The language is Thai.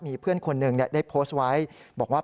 มีเพื่อนคนหนึ่งได้โพสต์ไว้บอกว่า